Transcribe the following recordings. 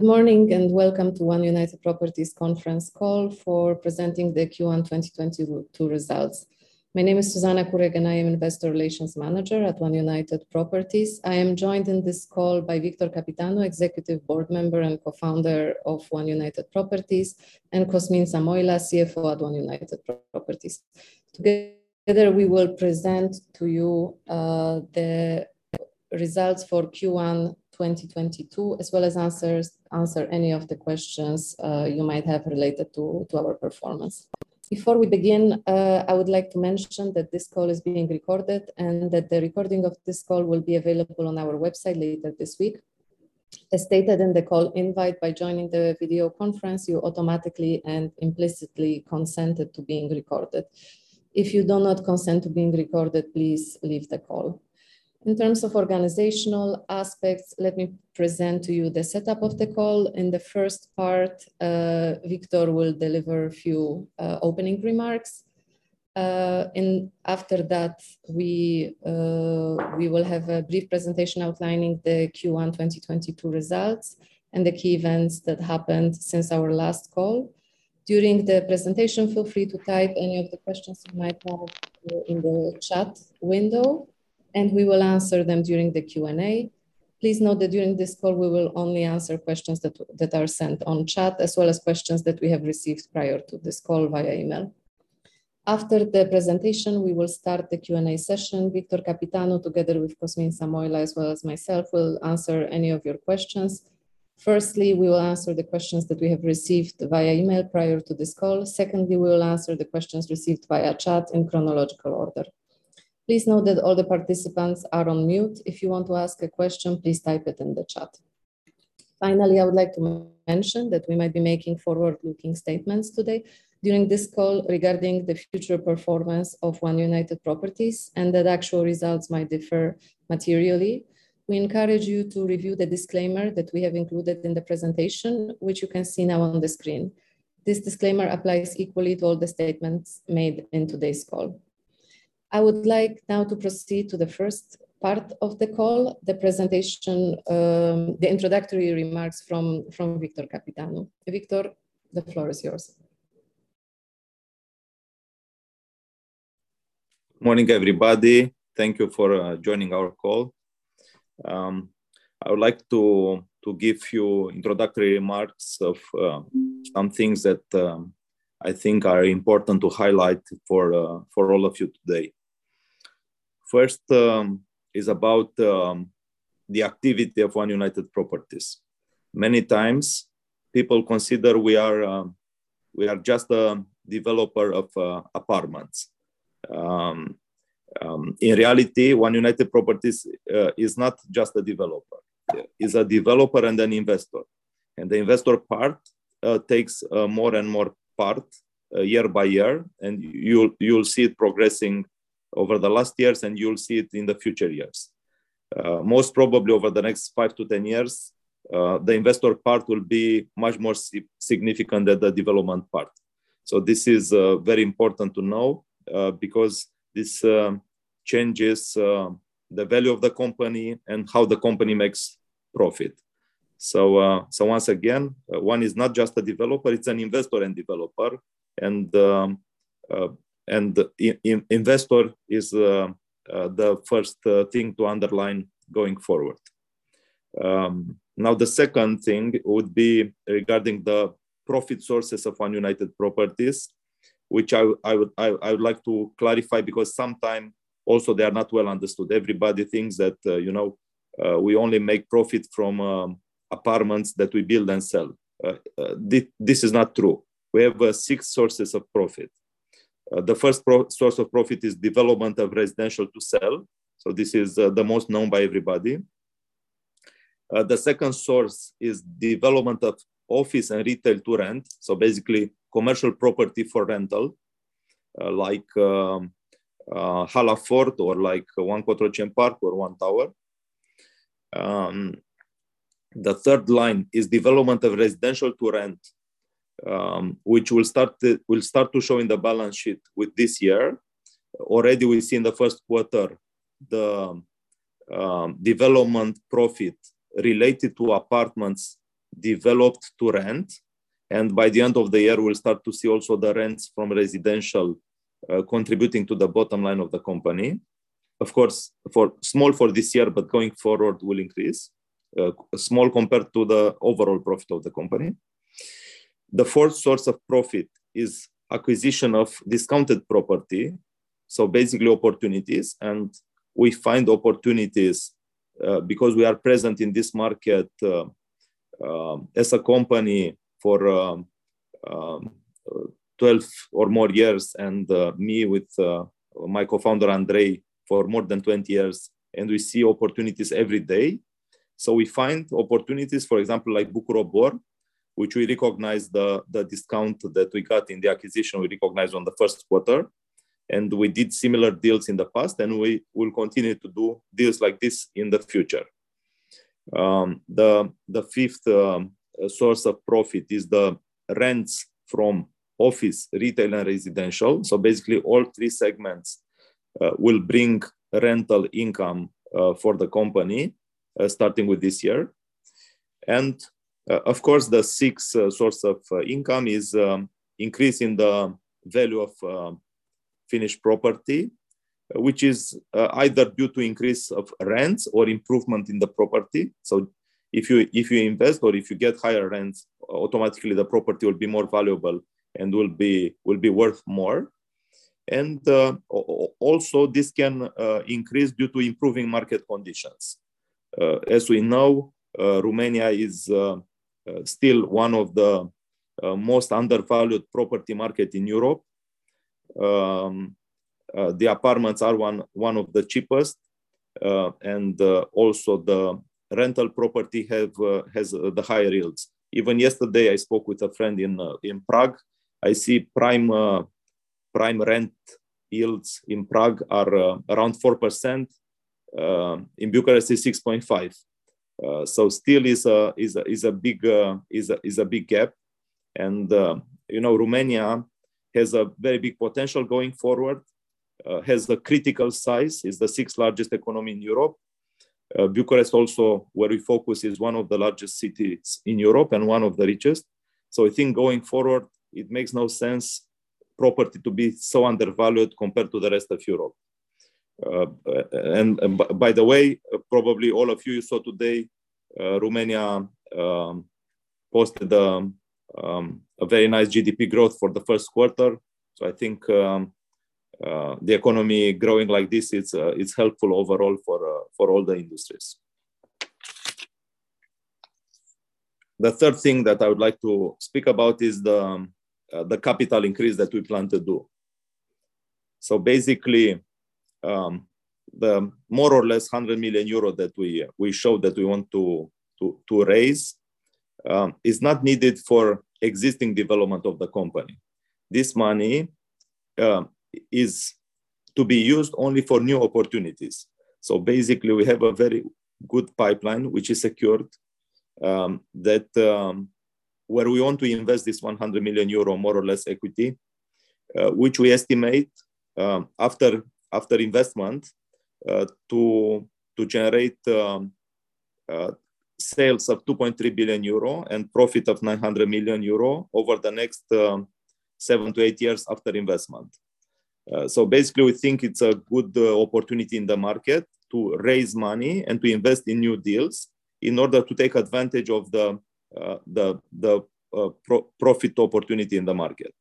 Good morning, welcome to One United Properties conference call for presenting the Q1 2022 results. My name is Zuzanna Kurek, and I am Investor Relations Manager at One United Properties. I am joined in this call by Victor Căpitanu, Executive Board Member and Co-founder of One United Properties, and Cosmin Samoilă, CFO at One United Properties. Together we will present to you, the results for Q1 2022, as well as answer any of the questions you might have related to our performance. Before we begin, I would like to mention that this call is being recorded and that the recording of this call will be available on our website later this week. As stated in the call invite, by joining the video conference, you automatically and implicitly consented to being recorded. If you do not consent to being recorded, please leave the call. In terms of organizational aspects, let me present to you the setup of the call. In the first part, Victor Căpitanu will deliver a few opening remarks. After that, we will have a brief presentation outlining the Q1 2022 results and the key events that happened since our last call. During the presentation, feel free to type any of the questions you might have in the chat window, and we will answer them during the Q&A. Please note that during this call we will only answer questions that are sent on chat as well as questions that we have received prior to this call via email. After the presentation, we will start the Q&A session. Victor Căpitanu, together with Cosmin Samoilă, as well as myself, will answer any of your questions. Firstly, we will answer the questions that we have received via email prior to this call. Secondly, we will answer the questions received via chat in chronological order. Please note that all the participants are on mute. If you want to ask a question, please type it in the chat. Finally, I would like to mention that we might be making forward-looking statements today during this call regarding the future performance of One United Properties and that actual results might differ materially. We encourage you to review the disclaimer that we have included in the presentation, which you can see now on the screen. This disclaimer applies equally to all the statements made in today's call. I would like now to proceed to the first part of the call, the presentation, the introductory remarks from Victor Căpitanu. Victor, the floor is yours. Morning, everybody. Thank you for joining our call. I would like to give you introductory remarks of some things that I think are important to highlight for all of you today. First is about the activity of One United Properties. Many times people consider we are just a developer of apartments. In reality, One United Properties is not just a developer. It's a developer and an investor, and the investor part takes more and more part year by year, and you'll see it progressing over the last years, and you'll see it in the future years. Most probably over the next five to 10 years, the investor part will be much more significant than the development part. This is very important to know, because this changes the value of the company and how the company makes profit. Once again, One is not just a developer, it's an investor and developer. Investor is the first thing to underline going forward. Now the second thing would be regarding the profit sources of One United Properties, which I would like to clarify because sometimes also they are not well understood. Everybody thinks that, you know, we only make profit from apartments that we build and sell. This is not true. We have six sources of profit. The first source of profit is development of residential to sell, so this is the most known by everybody. The second source is development of office and retail to rent, so basically commercial property for rental, like Hala Ford or like One Cotroceni Park or One Tower. The third line is development of residential to rent, which will start to show in the balance sheet with this year. Already, we see in the first quarter development profit related to apartments developed to rent, and by the end of the year, we'll start to see also the rents from residential contributing to the bottom line of the company. Of course, small for this year, but going forward will increase. Small compared to the overall profit of the company. The fourth source of profit is acquisition of discounted property, so basically opportunities. We find opportunities because we are present in this market as a company for 12 or more years and me with my co-founder, Andrei, for more than 20 years, and we see opportunities every day. We find opportunities, for example, like Bucur Obor, which we recognize the discount that we got in the acquisition, we recognized on the first quarter. We did similar deals in the past, and we will continue to do deals like this in the future. The fifth source of profit is the rents from office, retail, and residential. Basically all three segments will bring rental income for the company starting with this year. Of course, the sixth source of income is increase in the value of finished property, which is either due to increase of rents or improvement in the property. If you invest or if you get higher rents, automatically the property will be more valuable and will be worth more. Also this can increase due to improving market conditions. As we know, Romania is still one of the most undervalued property market in Europe. The apartments are one of the cheapest. Also the rental property has the higher yields. Even yesterday I spoke with a friend in Prague. I see prime rent yields in Prague are around 4%. In Bucharest is 6.5%. Still is a big gap. You know, Romania has a very big potential going forward, has the critical size, is the sixth-largest economy in Europe. Bucharest also where we focus is one of the largest cities in Europe and one of the richest. I think going forward it makes no sense property to be so undervalued compared to the rest of Europe. By the way, probably all of you saw today, Romania posted a very nice GDP growth for the first quarter. I think the economy growing like this it's helpful overall for all the industries. The third thing that I would like to speak about is the capital increase that we plan to do. Basically, the more or less 100 million euro that we showed that we want to raise is not needed for existing development of the company. This money is to be used only for new opportunities. Basically we have a very good pipeline which is secured, that where we want to invest this 100 million euro more or less equity, which we estimate after investment to generate sales of 2.3 billion euro and profit of 900 million euro over the next 7-8 years after investment. Basically we think it's a good opportunity in the market to raise money and to invest in new deals in order to take advantage of the profit opportunity in the market.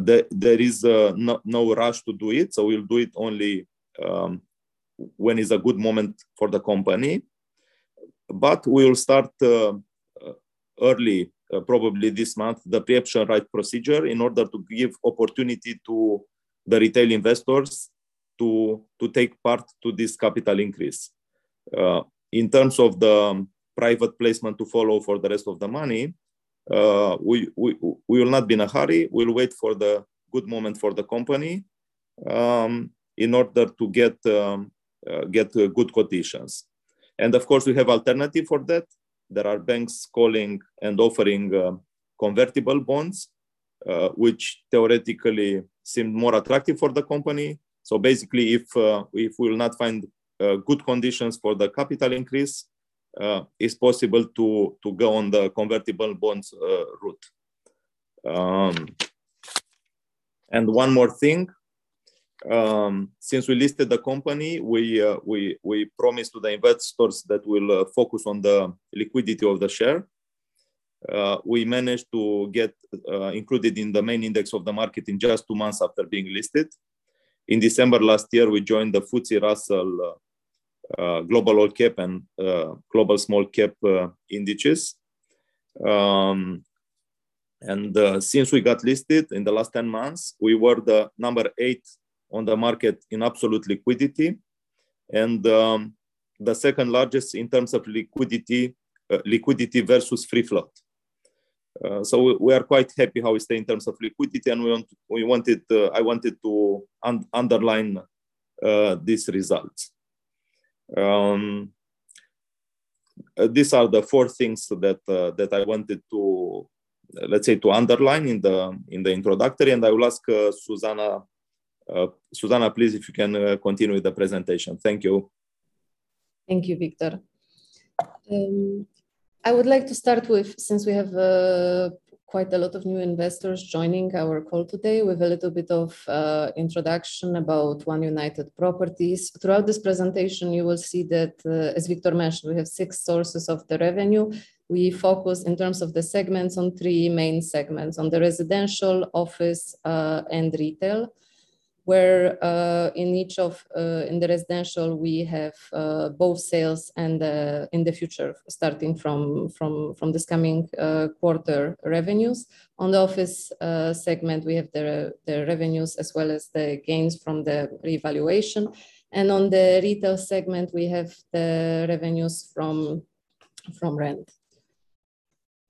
There is no rush to do it, so we'll do it only when is a good moment for the company. We'll start early, probably this month, the pre-emption right procedure in order to give opportunity to the retail investors to take part to this capital increase. In terms of the private placement to follow for the rest of the money, we will not be in a hurry. We'll wait for the good moment for the company in order to get good conditions. Of course, we have alternative for that. There are banks calling and offering convertible bonds, which theoretically seem more attractive for the company. Basically if we will not find good conditions for the capital increase, it's possible to go on the convertible bonds route. One more thing, since we listed the company, we promised to the investors that we'll focus on the liquidity of the share. We managed to get included in the main index of the market in just two months after being listed. In December last year, we joined the FTSE Russell Global All Cap and Global Small Cap indices. Since we got listed in the last 10 months, we were the number eight on the market in absolute liquidity, and the second-largest in terms of liquidity versus free float. We are quite happy how we stay in terms of liquidity, and we want, we wanted, I wanted to underline these results. These are the four things that I wanted to, let's say, underline in the introductory, and I will ask Zuzanna. Zuzanna, please, if you can continue with the presentation. Thank you. Thank you, Victor. I would like to start with, since we have quite a lot of new investors joining our call today, with a little bit of introduction about One United Properties. Throughout this presentation, you will see that, as Victor mentioned, we have six sources of the revenue. We focus in terms of the segments on three main segments, on the residential, office, and retail, where, in each of, in the residential, we have both sales and, in the future, starting from this coming quarter revenues. On the office segment, we have the revenues as well as the gains from the revaluation. On the retail segment, we have the revenues from rent.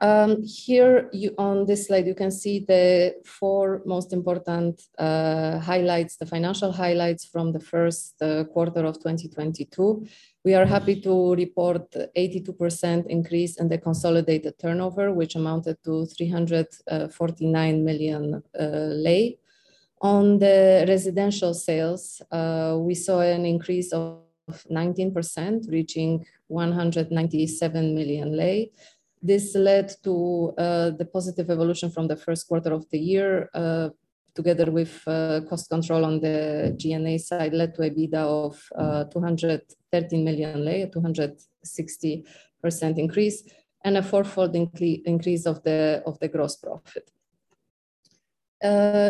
On this slide, you can see the four most important highlights, the financial highlights from the first quarter of 2022. We are happy to report 82% increase in the consolidated turnover, which amounted to RON 349 million. On the residential sales, we saw an increase of 19% reaching RON 197 million. This led to the positive evolution from the first quarter of the year, together with cost control on the G&A side led to a EBITDA of RON 213 million, 260% increase, and a four-fold increase of the gross profit.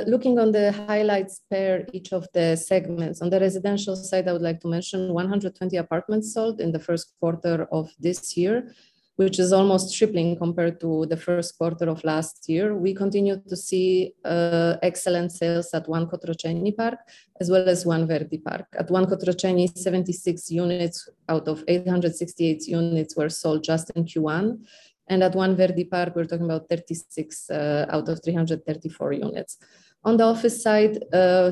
Looking on the highlights per each of the segments. On the residential side, I would like to mention 120 apartments sold in the first quarter of this year, which is almost tripling compared to the first quarter of last year. We continued to see excellent sales at One Cotroceni Park as well as One Verdi Park. At One Cotroceni, 76 units out of 868 units were sold just in Q1, and at One Verdi Park, we're talking about 36 out of 334 units. On the office side,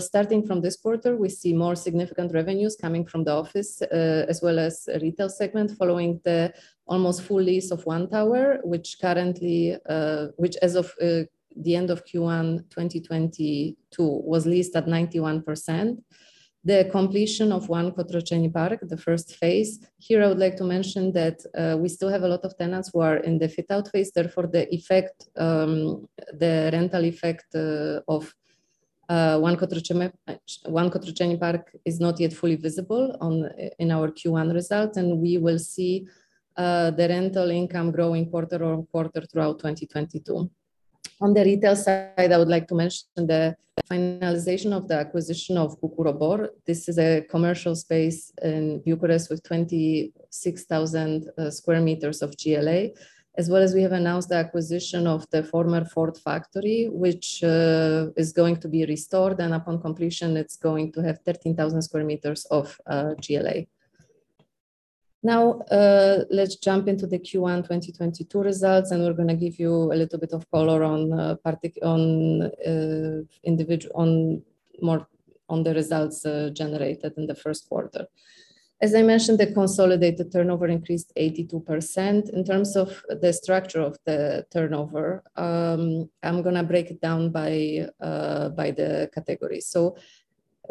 starting from this quarter, we see more significant revenues coming from the office as well as retail segment following the almost full lease of One Tower, which as of the end of Q1 2022 was leased at 91%. The completion of One Cotroceni Park, the first phase. Here, I would like to mention that we still have a lot of tenants who are in the fit-out phase, therefore, the effect, the rental effect, of One Cotroceni Park is not yet fully visible on, in our Q1 results, and we will see the rental income growing quarter on quarter throughout 2022. On the retail side, I would like to mention the finalization of the acquisition of Bucur Obor. This is a commercial space in Bucharest with 26,000 square meters of GLA. As well as we have announced the acquisition of the former Ford factory, which is going to be restored, and upon completion, it's going to have 13,000 square meters of GLA. Now, let's jump into the Q1 2022 results, and we're going to give you a little bit of color on more on the results generated in the first quarter. As I mentioned, the consolidated turnover increased 82%. In terms of the structure of the turnover, I'm gonna break it down by the categories.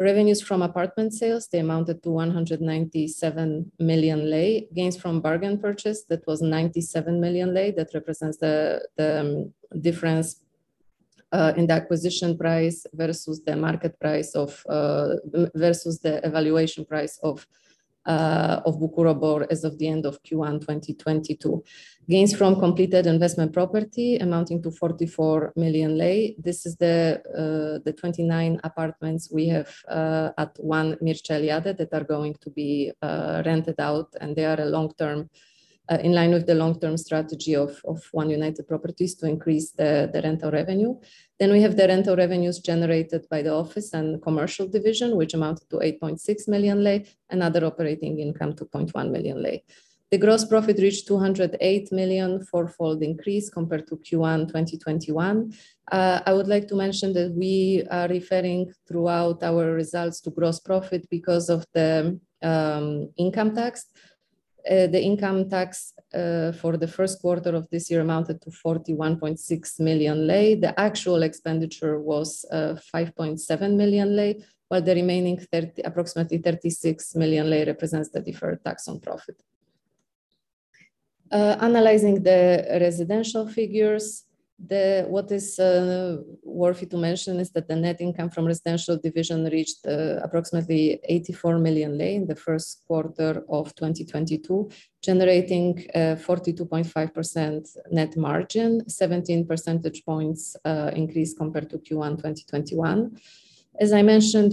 Revenues from apartment sales, they amounted to RON 197 million. Gains from bargain purchase, that was RON 97 million. That represents the difference in the acquisition price versus the evaluation price of Bucur Obor as of the end of Q1 2022. Gains from completed investment property amounting to RON 44 million. This is the 29 apartments we have at One Mircea Eliade that are going to be rented out, and they are a long-term in line with the long-term strategy of One United Properties to increase the rental revenue. We have the rental revenues generated by the office and commercial division, which amounted to RON 8.6 million, and other operating income, RON 2.1 million. The gross profit reached RON 208 million, fourfold increase compared to Q1 2021. I would like to mention that we are referring throughout our results to gross profit because of the income tax. The income tax for the first quarter of this year amounted to RON 41.6 million. The actual expenditure was RON 5.7 million, while the remaining 30, approximately RON 36 million represents the deferred tax on profit. Analyzing the residential figures, worthy to mention is that the net income from residential division reached approximately RON 84 million in the first quarter of 2022, generating 42.5% net margin, 17 percentage points increase compared to Q1 2021. As I mentioned,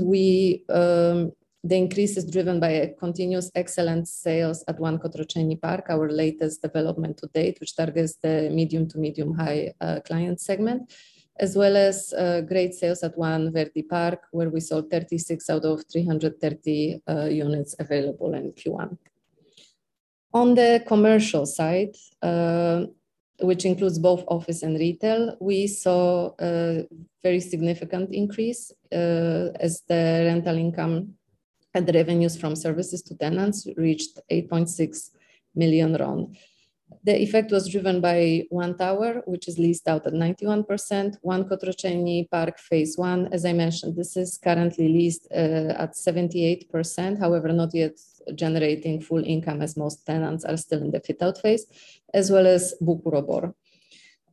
the increase is driven by a continuous excellent sales at One Cotroceni Park, our latest development to date, which targets the medium to medium-high client segment, as well as great sales at One Verdi Park, where we sold 36 out of 330 units available in Q1. On the commercial side, which includes both office and retail, we saw a very significant increase, as the rental income and the revenues from services to tenants reached RON 8.6 million. The effect was driven by One Tower, which is leased out at 91%, One Cotroceni Park phase one, as I mentioned, this is currently leased at 78%. However, not yet generating full income as most tenants are still in the fit-out phase, as well as Bucur Obor.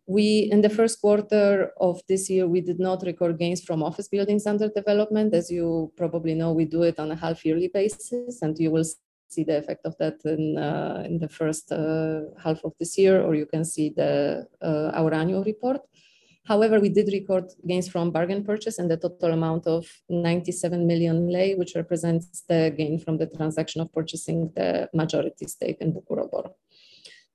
In the first quarter of this year, we did not record gains from office buildings under development. As you probably know, we do it on a half yearly basis, and you will see the effect of that in the first half of this year, or you can see our annual report. However, we did record gains from bargain purchase in the total amount of RON 97 million, which represents the gain from the transaction of purchasing the majority stake in Bucur Obor.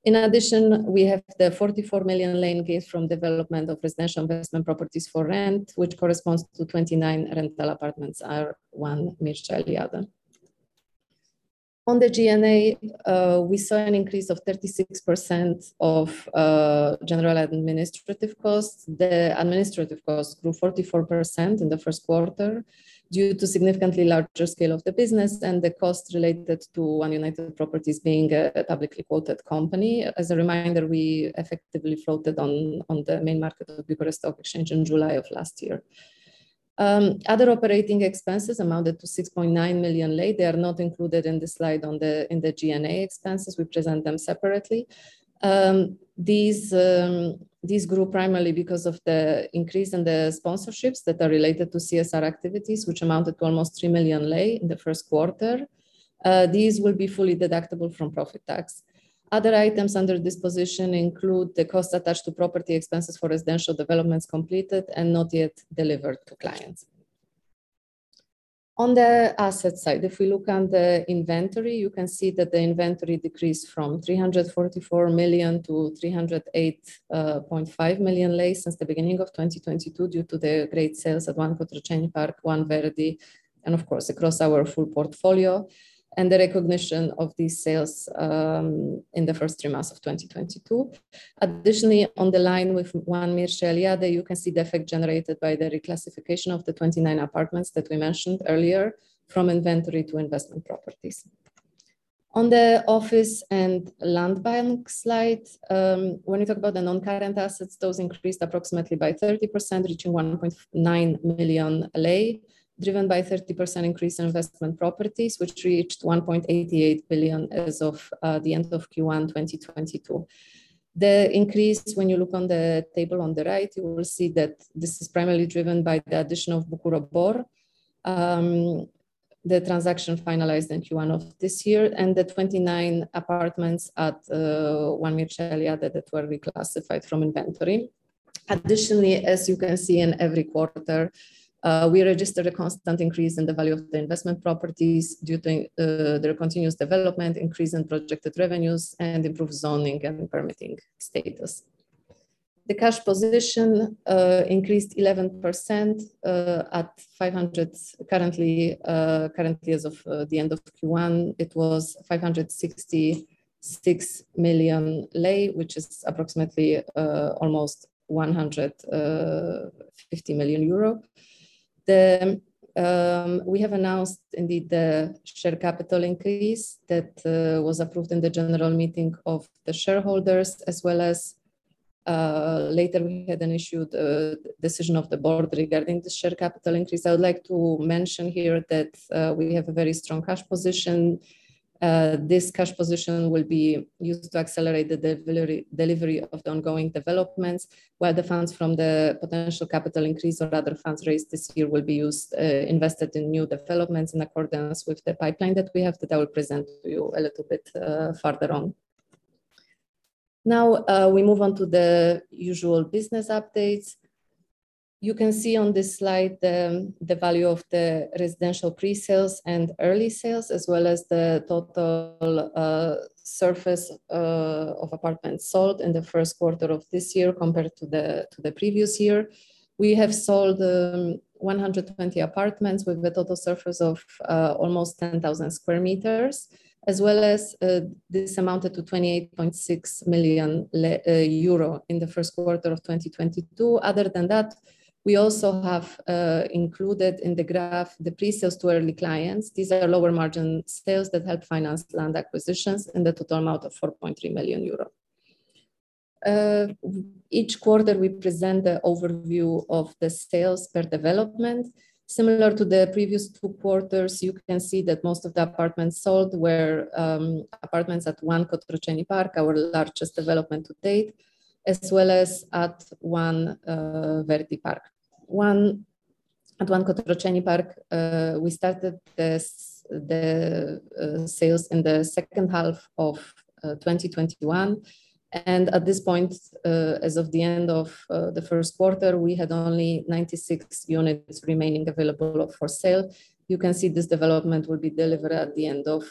In addition, we have RON 44 million in gains from development of residential investment properties for rent, which corresponds to 29 rental apartments at One Mircea Eliade. On the G&A, we saw an increase of 36% of general administrative costs. The administrative costs grew 44% in the first quarter due to significantly larger scale of the business and the cost related to One United Properties being a publicly quoted company. As a reminder, we effectively floated on the main market of the Bucharest Stock Exchange in July of last year. Other operating expenses amounted to RON 6.9 million. They are not included in the slide in the G&A expenses. We present them separately. These grew primarily because of the increase in the sponsorships that are related to CSR activities, which amounted to almost RON 3 million in the first quarter. These will be fully deductible from profit tax. Other items under this position include the cost attached to property expenses for residential developments completed and not yet delivered to clients. On the asset side, if we look at the inventory, you can see that the inventory decreased from RON 344 million to RON 308.5 million since the beginning of 2022 due to the great sales at One Cotroceni Park, One Verdi, and of course across our full portfolio, and the recognition of these sales in the first three months of 2022. Additionally, on the line with One Mircea Eliade, you can see the effect generated by the reclassification of the 29 apartments that we mentioned earlier from inventory to investment properties. On the office and land bank slide, when we talk about the non-current assets, those increased approximately by 30%, reaching RON 1.9 million, driven by 30% increase in investment properties which reached RON 1.8 billion as of the end of Q1 2022. The increase, when you look on the table on the right, you will see that this is primarily driven by the addition of Bucur Obor, the transaction finalized in Q1 of this year, and the 29 apartments at One Mircea Eliade that were reclassified from inventory. Additionally, as you can see in every quarter, we registered a constant increase in the value of the investment properties due to their continuous development, increase in projected revenues, and improved zoning and permitting status. The cash position increased 11% at RON 500 million currently as of the end of Q1. It was RON 566 million, which is approximately almost 150 million euro. We have announced indeed the share capital increase that was approved in the general meeting of the shareholders as well as later we had an issued decision of the board regarding the share capital increase. I would like to mention here that we have a very strong cash position. This cash position will be used to accelerate the delivery of the ongoing developments, where the funds from the potential capital increase or other funds raised this year will be used, invested in new developments in accordance with the pipeline that we have that I will present to you a little bit further on. Now, we move on to the usual business updates. You can see on this slide the value of the residential pre-sales and early sales, as well as the total surface of apartments sold in the first quarter of this year compared to the previous year. We have sold 120 apartments with a total surface of almost 10,000 square meters, as well as this amounted to 28.6 million euro in the first quarter of 2022. Other than that, we also have included in the graph the pre-sales to early clients. These are lower margin sales that help finance land acquisitions in the total amount of 4.3 million euro. Each quarter we present the overview of the sales per development. Similar to the previous two quarters, you can see that most of the apartments sold were apartments at One Cotroceni Park, our largest development to date, as well as at One Verdi Park. At One Cotroceni Park, we started the sales in the second half of 2021, and at this point, as of the end of the first quarter, we had only 96 units remaining available for sale. You can see this development will be delivered at the end of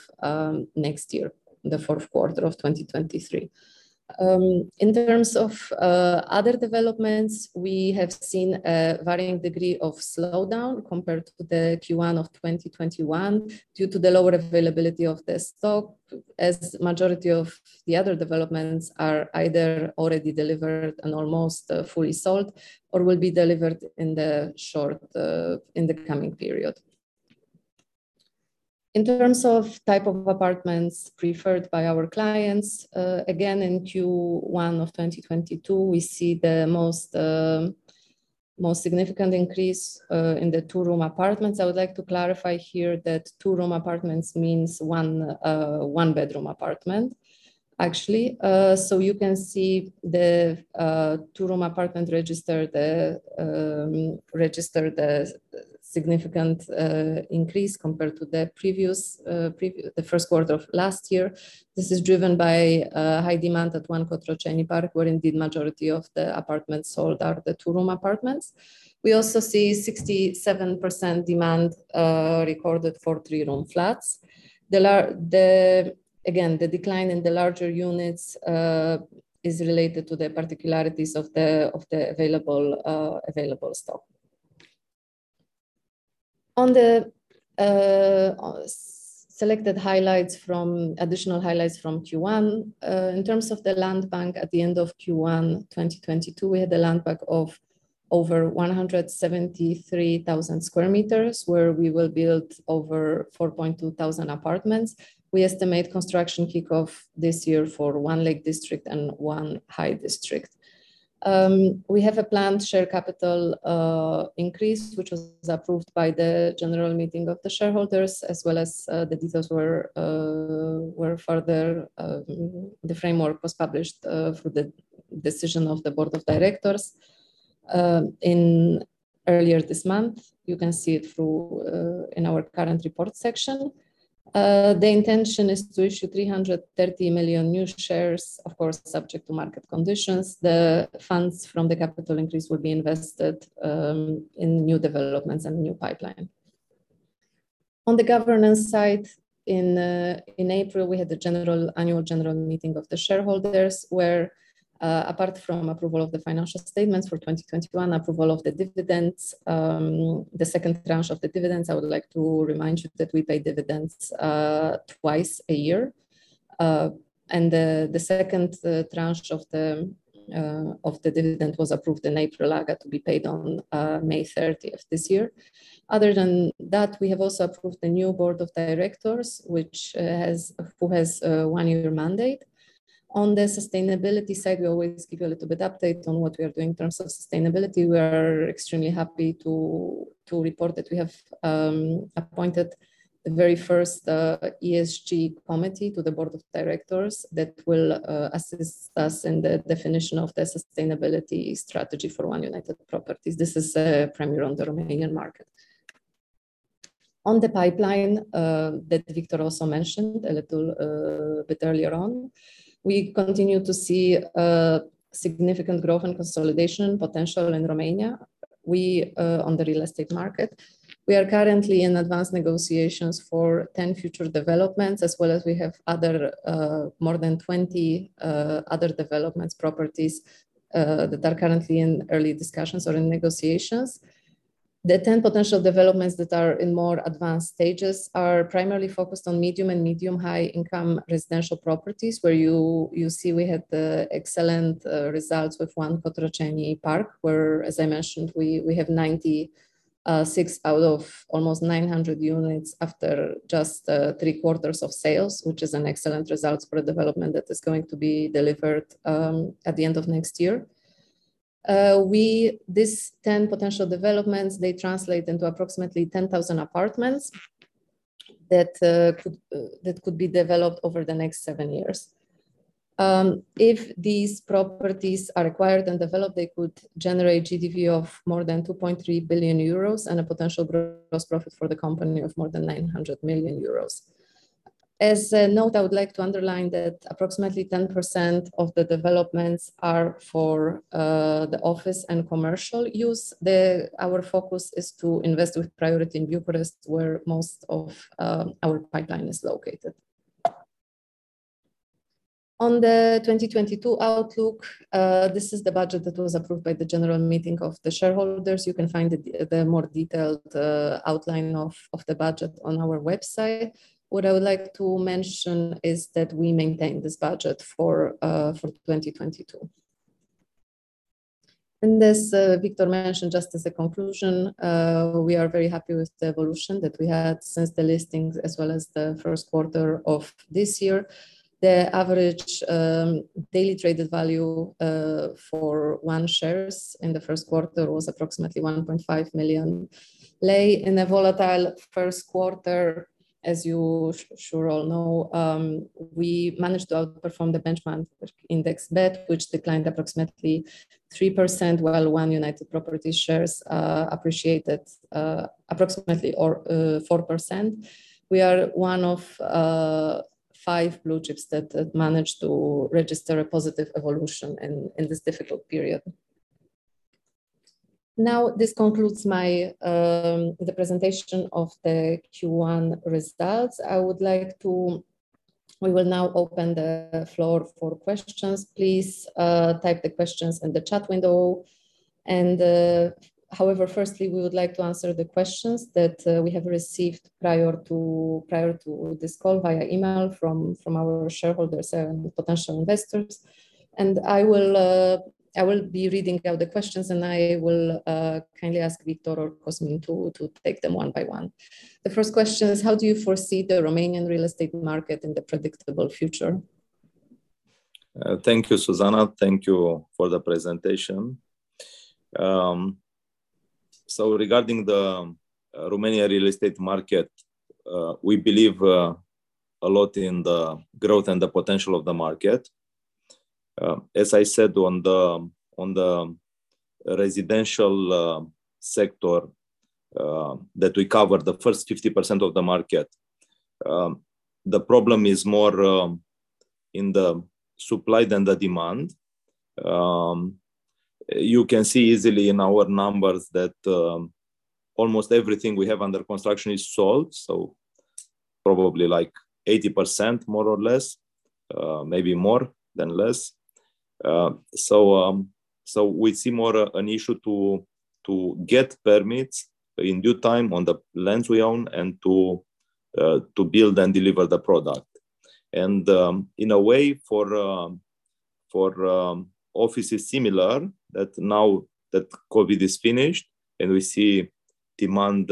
next year, the fourth quarter of 2023. In terms of other developments, we have seen a varying degree of slowdown compared to the Q1 of 2021 due to the lower availability of the stock as majority of the other developments are either already delivered and almost fully sold or will be delivered in the coming period. In terms of type of apartments preferred by our clients, again in Q1 of 2022, we see the most significant increase in the two-room apartments. I would like to clarify here that two-room apartments means one bedroom apartment actually. So you can see the two-room apartment registered a significant increase compared to the first quarter of last year. This is driven by high demand at One Cotroceni Park, where indeed majority of the apartments sold are the two-room apartments. We also see 67% demand recorded for three-room flats. The decline in the larger units is related to the particularities of the available stock. On the selected highlights from additional highlights from Q1 in terms of the land bank at the end of Q1, 2022, we had a land bank of over 173,000 square meters, where we will build over 4,200 apartments. We estimate construction kick-off this year for One Lake District and One High District. We have a planned share capital increase which was approved by the general meeting of the shareholders as well as the details were further the framework was published for the decision of the board of directors in early this month. You can see it in our current report section. The intention is to issue 330 million new shares, of course, subject to market conditions. The funds from the capital increase will be invested in new developments and new pipeline. On the governance side in April, we had the annual general meeting of the shareholders where apart from approval of the financial statements for 2021, approval of the dividends, the second tranche of the dividends, I would like to remind you that we pay dividends twice a year. The second tranche of the dividend was approved in April to be paid on May 30 this year. Other than that, we have also approved the new board of directors which has a one-year mandate. On the sustainability side, we always give you a little bit update on what we are doing in terms of sustainability. We are extremely happy to report that we have appointed the very first ESG committee to the board of directors that will assist us in the definition of the sustainability strategy for One United Properties. This is premier on the Romanian market. On the pipeline that Victor also mentioned a little bit earlier on, we continue to see significant growth and consolidation potential in Romania. We on the real estate market, we are currently in advanced negotiations for 10 future developments, as well as we have other more than 20 other developments properties that are currently in early discussions or in negotiations. The ten potential developments that are in more advanced stages are primarily focused on medium and medium high income residential properties where you see we had the excellent results with One Cotroceni Park where, as I mentioned, we have 96 out of almost 900 units after just three quarters of sales, which is an excellent results for a development that is going to be delivered at the end of next year. These ten potential developments, they translate into approximately 10,000 apartments that could be developed over the next seven years. If these properties are acquired and developed, they could generate GDV of more than 2.3 billion euros and a potential gross profit for the company of more than 900 million euros. As a note, I would like to underline that approximately 10% of the developments are for the office and commercial use. Our focus is to invest with priority in Bucharest, where most of our pipeline is located. On the 2022 outlook, this is the budget that was approved by the general meeting of the shareholders. You can find the more detailed outline of the budget on our website. What I would like to mention is that we maintain this budget for 2022. As Victor mentioned, just as a conclusion, we are very happy with the evolution that we had since the listings, as well as the first quarter of this year. The average daily traded value for One shares in the first quarter was approximately RON 1.5 million in a volatile first quarter, as you all know. We managed to outperform the benchmark index BET, which declined approximately 3% while One United Properties shares appreciated approximately 4%. We are one of five blue chips that managed to register a positive evolution in this difficult period. This concludes the presentation of the Q1 results. We will now open the floor for questions. Please type the questions in the chat window and however, firstly we would like to answer the questions that we have received prior to this call via email from our shareholders and potential investors. I will be reading out the questions, and I will kindly ask Victor or Cosmin to take them one by one. The first question is: How do you foresee the Romanian real estate market in the foreseeable future? Thank you, Zuzanna. Thank you for the presentation. Regarding the Romanian real estate market, we believe a lot in the growth and the potential of the market. As I said in the residential sector, that we cover the first 50% of the market, the problem is more in the supply than the demand. You can see easily in our numbers that almost everything we have under construction is sold, so probably like 80% more or less, maybe more than less. We see more of an issue to get permits in due time on the lands we own and to build and deliver the product. In a way for offices similar that now that COVID is finished and we see demand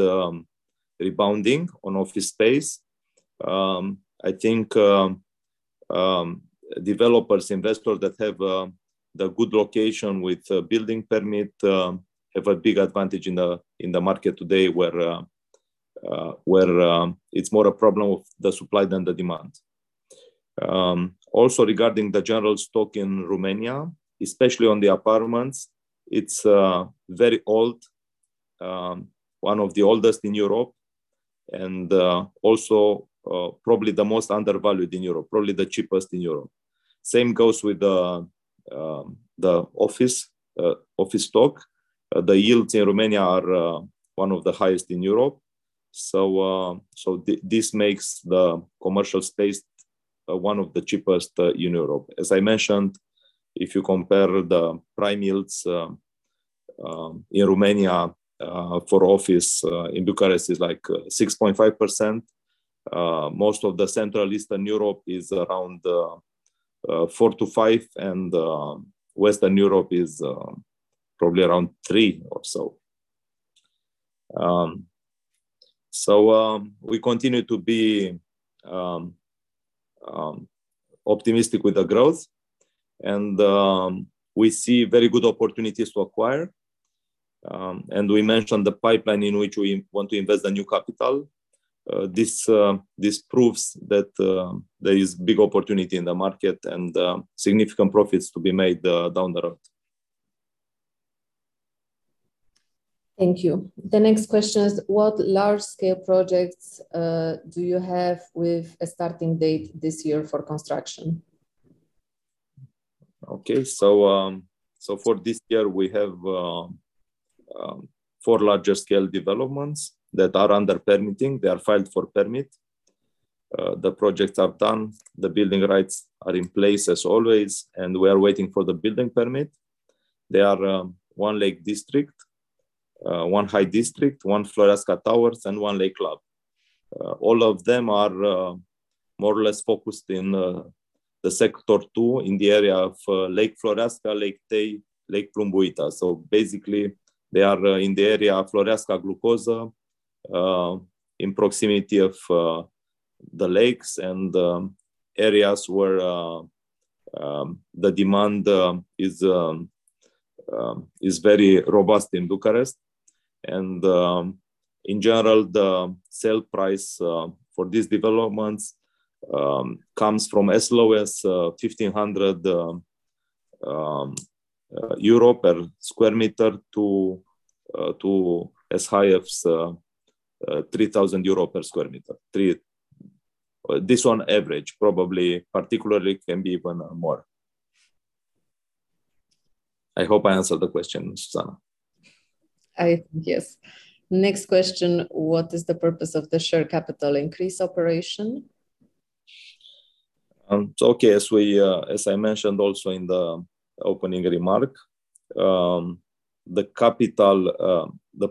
rebounding on office space. I think developers investors that have the good location with the building permit have a big advantage in the market today where it's more a problem of the supply than the demand. Also regarding the general stock in Romania, especially on the apartments, it's very old, one of the oldest in Europe and also probably the most undervalued in Europe, probably the cheapest in Europe. Same goes with the office stock. The yields in Romania are one of the highest in Europe. This makes the commercial space one of the cheapest in Europe. As I mentioned, if you compare the prime yields in Romania for office in Bucharest is like 6.5%. Most of the Central Eastern Europe is around 4%-5%, and Western Europe is probably around 3% or so. We continue to be optimistic with the growth and we see very good opportunities to acquire. We mentioned the pipeline in which we want to invest the new capital. This proves that there is big opportunity in the market and significant profits to be made down the road. Thank you. The next question is, what large scale projects do you have with a starting date this year for construction? Okay. For this year, we have four larger scale developments that are under permitting. They are filed for permit. The projects are done. The building rights are in place as always, and we are waiting for the building permit. They are One Lake District, One High District, One Floreasca Towers and One Lake Club. All of them are more or less focused in Sector two in the area of Lake Floreasca, Lake Tei, Lake Plumbuita. Basically, they are in the area of Floreasca, Glucoza, in proximity of the lakes and areas where the demand is very robust in Bucharest. In general, the sale price for these developments comes from as low as 1,500 euro per square meter to as high as 3,000 euro per square meter. This on average, probably particularly can be even more. I hope I answered the question, Zuzanna. I think yes. Next question, what is the purpose of the share capital increase operation? Okay, as I mentioned also in the opening remark, the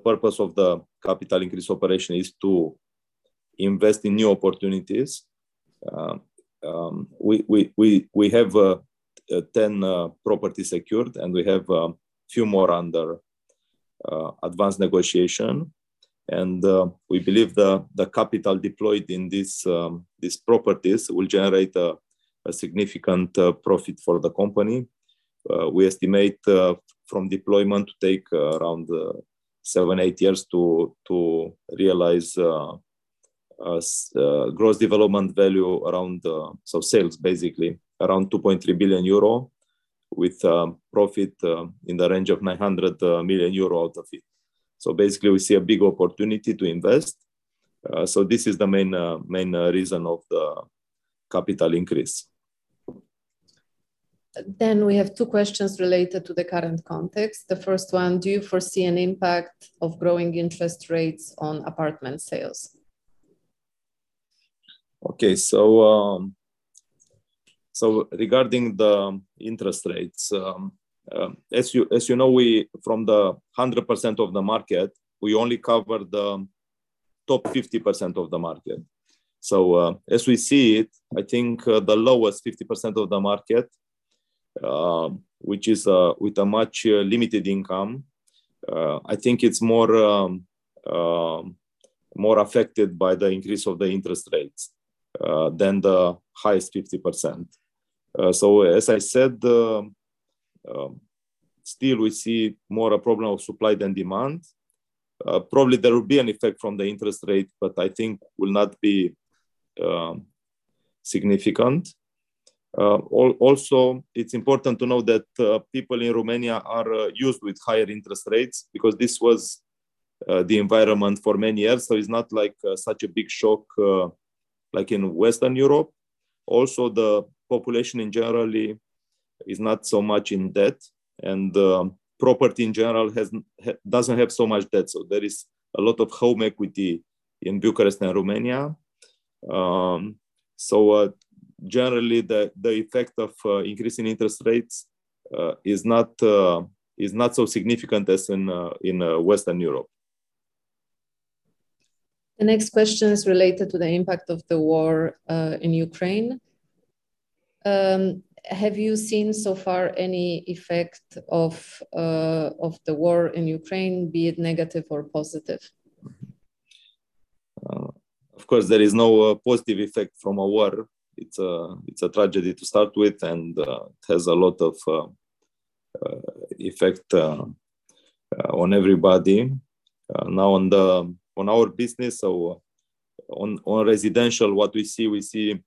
purpose of the capital increase operation is to invest in new opportunities. We have 10 properties secured, and we have few more under advanced negotiation. We believe the capital deployed in these properties will generate a significant profit for the company. We estimate from deployment to take around 7-8 years to realize gross development value around, so sales basically around 2.3 billion euro with profit in the range of 900 million euro out of it. Basically, we see a big opportunity to invest. This is the main reason of the capital increase. We have two questions related to the current context. The first one, do you foresee an impact of growing interest rates on apartment sales? Regarding the interest rates, as you know, from the 100% of the market, we only cover the top 50% of the market. As we see it, I think the lowest 50% of the market, which is with a much limited income, I think it's more affected by the increase of the interest rates than the highest 50%. Still we see more a problem of supply than demand. Probably there will be an effect from the interest rate, but I think it will not be significant. Also, it's important to know that people in Romania are used to higher interest rates because this was the environment for many years. It's not like such a big shock like in Western Europe. Also, the population in general is not so much in debt, and property in general doesn't have so much debt. There is a lot of home equity in Bucharest and Romania. Generally, the effect of increasing interest rates is not so significant as in Western Europe. The next question is related to the impact of the war in Ukraine. Have you seen so far any effect of the war in Ukraine, be it negative or positive? Of course, there is no positive effect from a war. It's a tragedy to start with and it has a lot of effect on everybody. Now on our business or on residential, what we see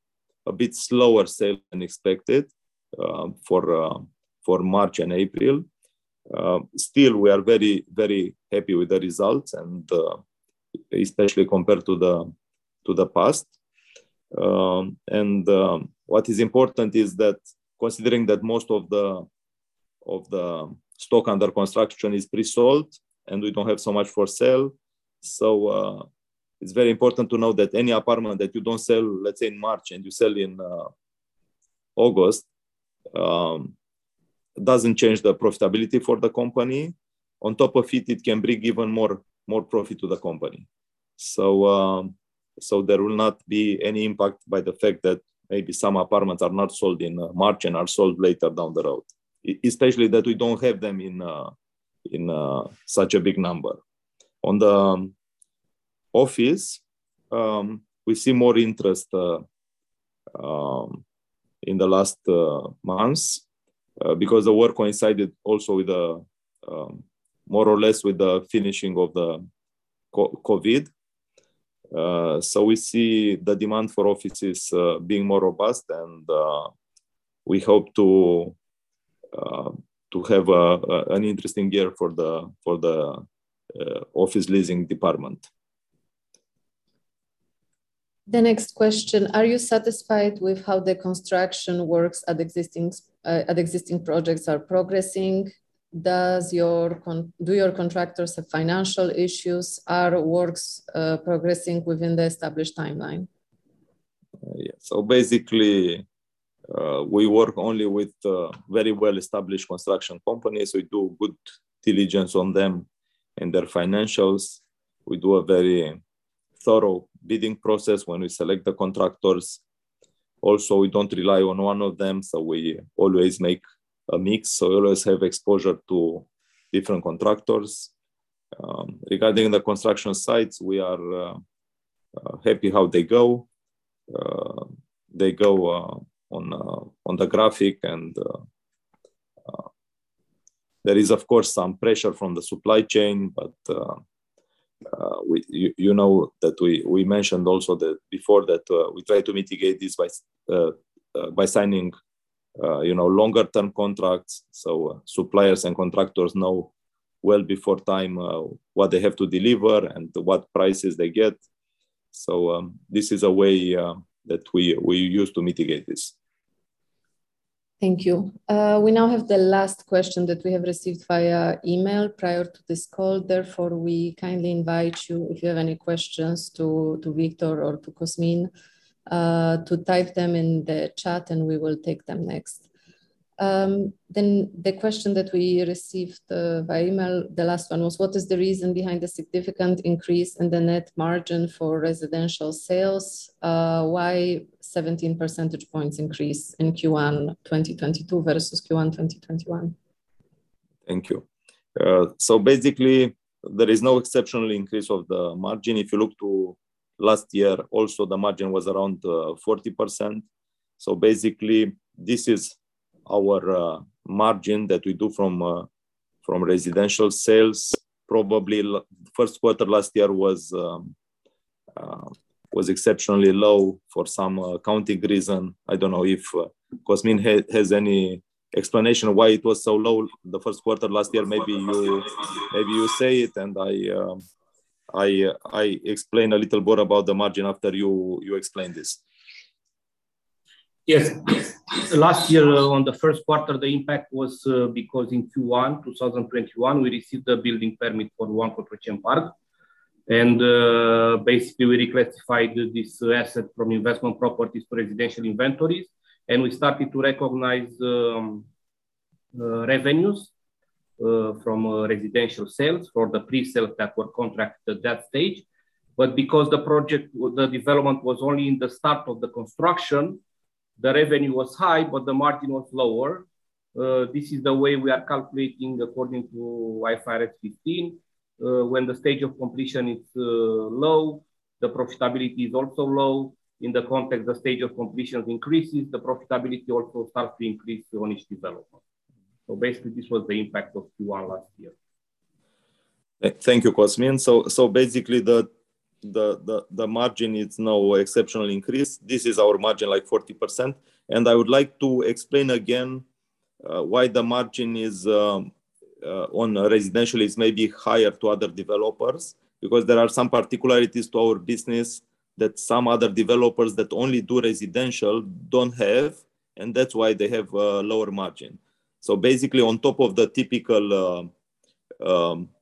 a bit slower sale than expected for March and April. Still we are very happy with the results and especially compared to the past. What is important is that considering that most of the stock under construction is pre-sold and we don't have so much for sale. It's very important to know that any apartment that you don't sell, let's say in March, and you sell in August, doesn't change the profitability for the company. On top of it can bring even more profit to the company. There will not be any impact by the fact that maybe some apartments are not sold in March and are sold later down the road. Especially that we don't have them in such a big number. On the office, we see more interest in the last months because the work coincided also with the more or less with the finishing of the COVID. We see the demand for offices being more robust and we hope to have an interesting year for the office leasing department. The next question, are you satisfied with how the construction works at existing projects are progressing? Do your contractors have financial issues? Are works progressing within the established timeline? Yeah. Basically, we work only with very well-established construction companies. We do due diligence on them and their financials. We do a very thorough bidding process when we select the contractors. Also, we don't rely on one of them, so we always make a mix. We always have exposure to different contractors. Regarding the construction sites, we are happy how they go. They go on the graphic and there is of course some pressure from the supply chain, but you know that we mentioned also that before that, we try to mitigate this by signing you know longer term contracts, so suppliers and contractors know well before time what they have to deliver and what prices they get. This is a way that we use to mitigate this. Thank you. We now have the last question that we have received via email prior to this call. Therefore, we kindly invite you, if you have any questions to Victor or to Cosmin, to type them in the chat and we will take them next. Then the question that we received via email, the last one, was, what is the reason behind the significant increase in the net margin for residential sales? Why 17 percentage points increase in Q1 2022 versus Q1 2021? Thank you. Basically, there is no exceptional increase of the margin. If you look to last year also, the margin was around 40%. Basically, this is our margin that we do from residential sales. Probably first quarter last year was exceptionally low for some accounting reason. I don't know if Cosmin has any explanation why it was so low the first quarter last year. Maybe you say it and I explain a little more about the margin after you explain this. Yes. Last year on the first quarter, the impact was because in Q1, 2021, we received a building permit for One Cotroceni Park. Basically we reclassified this asset from investment properties to residential inventories, and we started to recognize revenues from residential sales for the pre-sales that were contracted that stage. Because the development was only in the start of the construction, the revenue was high, but the margin was lower. This is the way we are calculating according to IFRS 15. When the stage of completion is low, the profitability is also low. In the context the stage of completions increases, the profitability also starts to increase on each development. Basically, this was the impact of Q1 last year. Thank you, Cosmin. Basically the margin is not an exceptional increase. This is our margin, like 40%. I would like to explain again why the margin is on residential maybe higher than other developers, because there are some particularities to our business that some other developers that only do residential don't have, and that's why they have a lower margin. Basically on top of the typical,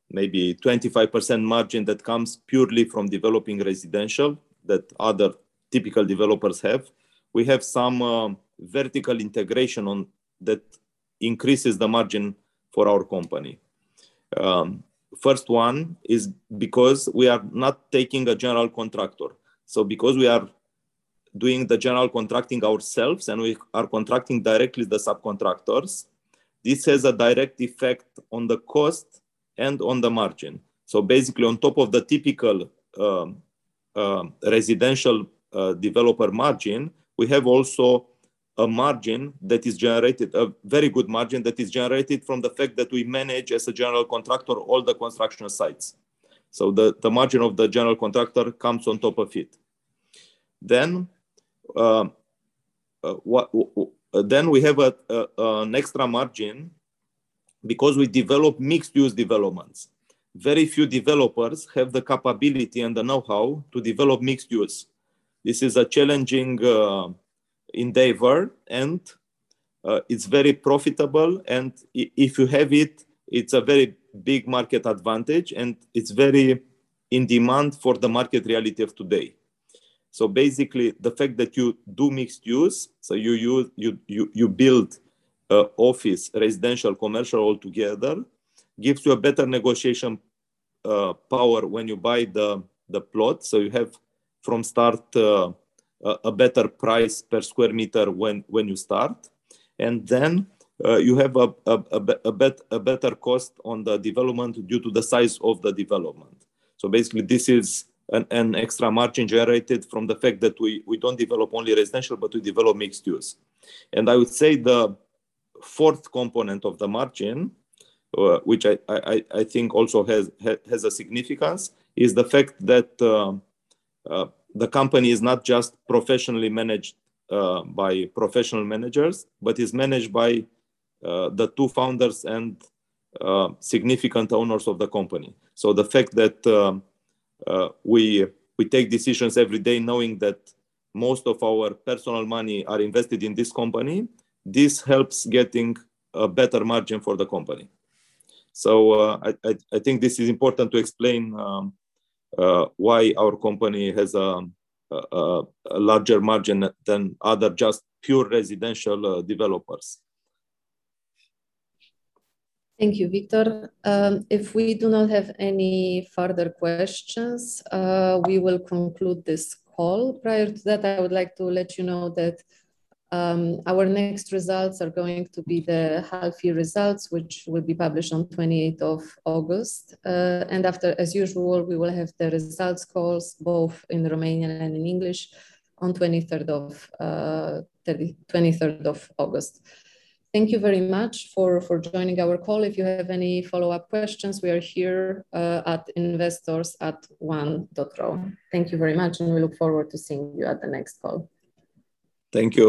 maybe 25% margin that comes purely from developing residential that other typical developers have, we have some vertical integration that increases the margin for our company. First one is because we are not taking a general contractor. Because we are doing the general contracting ourselves, and we are contracting directly the subcontractors, this has a direct effect on the cost and on the margin. Basically, on top of the typical residential developer margin, we have also a margin that is generated, a very good margin that is generated from the fact that we manage, as a general contractor, all the construction sites. The margin of the general contractor comes on top of it. We have an extra margin because we develop mixed-use developments. Very few developers have the capability and the know-how to develop mixed use. This is a challenging endeavor and it's very profitable, and if you have it's a very big market advantage and it's very in demand for the market reality of today. Basically, the fact that you do mixed use, you use... You build office, residential, commercial all together, gives you a better negotiation power when you buy the plot. You have from start a better cost on the development due to the size of the development. Basically, this is an extra margin generated from the fact that we don't develop only residential, but we develop mixed use. I would say the fourth component of the margin, which I think also has a significance, is the fact that the company is not just professionally managed by professional managers, but is managed by the two founders and significant owners of the company. The fact that we take decisions every day knowing that most of our personal money are invested in this company, this helps getting a better margin for the company. I think this is important to explain why our company has a larger margin than other just pure residential developers. Thank you, Victor. If we do not have any further questions, we will conclude this call. Prior to that, I would like to let you know that our next results are going to be the half-year results, which will be published on 28 of August. After, as usual, we will have the results calls both in Romanian and in English on 23rd of August. Thank you very much for joining our call. If you have any follow-up questions, we are here at investors@one.ro. Thank you very much, and we look forward to seeing you at the next call. Thank you.